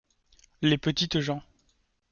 Les petites gens.